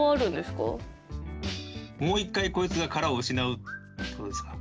もう一回こいつが殻を失うってことですか。